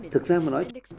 thực ra mà nói